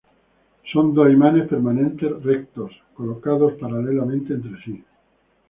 Son dos imanes permanentes rectos, colocados paralelamente entre sí.